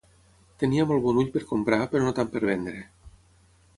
Tenia molt bon ull per comprar però no tant per vendre.